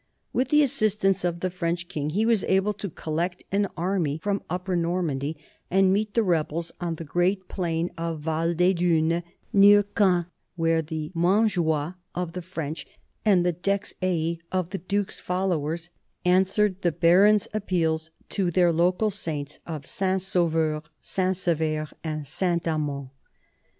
With the assistance of the French king he was able to collect an army from Upper Nor mandy and meet the rebels on the great plain of Val des Dunes, near Caen, where the Mont joie of the French and the Dex aie of the duke's followers answered the barons' appeals to their local saints of St. Sauveur, St. Sever, and St. Amand.